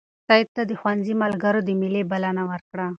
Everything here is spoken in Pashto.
سعید ته د ښوونځي ملګرو د مېلې بلنه ورکړه.